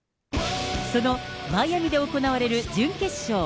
そのマイアミで行われる準決勝。